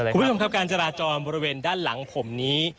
คุณผู้ชมครับการจราจรบริเวณด้านหลังผมนี้